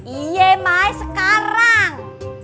iya mai sekarang